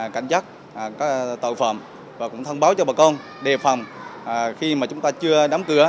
các tàu phòng và cũng thông báo cho bà con đề phòng khi mà chúng ta chưa đóng cửa